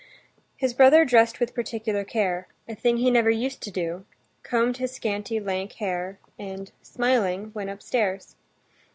His brother dressed with particular care—a thing he never used to do—combed his scanty, lank hair, and, smiling, went upstairs.